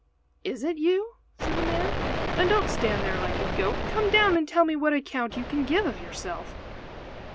"Is it you?" said the man. "Then don't stand there like a goat. Come down and tell me what account you can give of yourself."